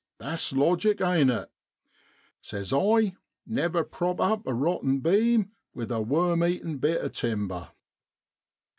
Tha's logic, ain't it ? Says I, never prop up a rotten beam with a worm eaten bit o' timber